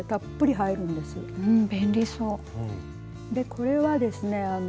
これはですね